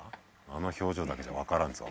あの表情だけじゃ分からんぞ